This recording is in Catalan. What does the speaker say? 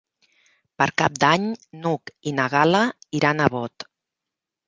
Per Cap d'Any n'Hug i na Gal·la iran a Bot.